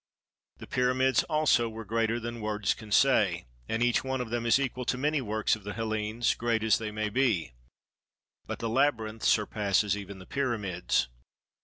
The pyramids also were greater than words can say, and each one of them is equal to many works of the Hellenes, great as they may be; but the labyrinth surpasses even the pyramids.